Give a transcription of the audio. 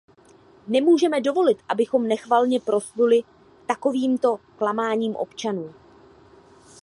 Nemůžeme dovolit, abychom nechvalně prosluli takovýmto klamáním občanů.